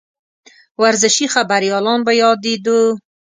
ورزشي خبریالان به یادېدوو.